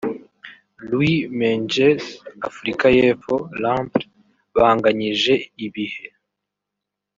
Louis Meintjes (Afurika y’Epfo /Lampre) Banganyije ibihe